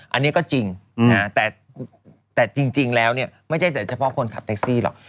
อันนี้ก็จริงแต่จริงแล้วเนี่ยไม่ใช่แต่เฉพาะคนขับแท็กซี่หรอก